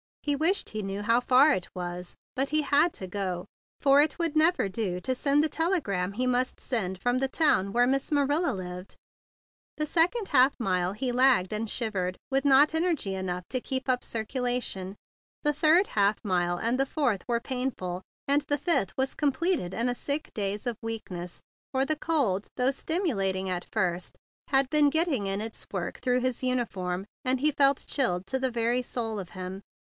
He wished he knew how far it was, but he had to go, for it would never do to send the telegram he must send from the town where Miss Marilla lived. The second half mile he lagged and shivered, with not energy enough to keep up a circulation; the third half mile and the fourth were painful, and the fifth was completed in a sick daze of weakness; for the cold, though stim¬ ulating at first, had been getting in its work through his uniform, and he felt chilled to the very soul of him.